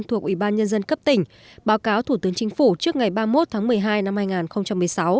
thuộc ủy ban nhân dân cấp tỉnh báo cáo thủ tướng chính phủ trước ngày ba mươi một tháng một mươi hai năm hai nghìn một mươi sáu